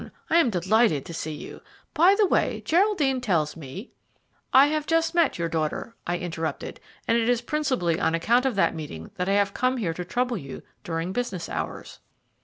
I am delighted to see you. By the way, Geraldine tells me " "I have just met your daughter," I interrupted, "and it is principally on account of that meeting that I have come here to trouble you during business hours."